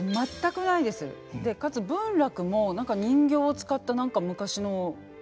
かつ文楽も何か人形を使った何か昔の劇？